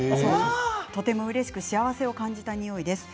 とてもうれしく幸せを感じた匂いです。